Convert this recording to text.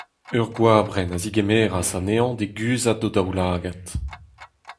Ur goabrenn a zegemeras anezhañ d’e guzhat d’o daoulagad.